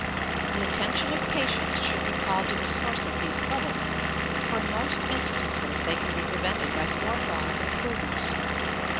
The attention of patients should be called to the source of these troubles, for in most instances they can be prevented by forethought and prudence.